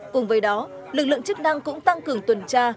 cùng với đó lực lượng chức năng cũng tăng cường tuần tra